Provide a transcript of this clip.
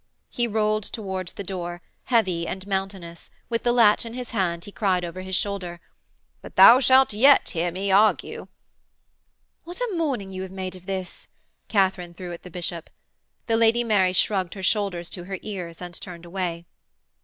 He rolled towards the door, heavy and mountainous: with the latch in his hand, he cried over his shoulder: 'But thou shalt yet hear me argue!' 'What a morning you have made of this!' Katharine threw at the bishop. The Lady Mary shrugged her shoulders to her ears and turned away.